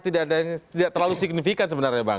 tidak ada yang tidak terlalu signifikan sebenarnya bang